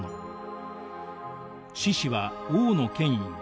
獅子は王の権威。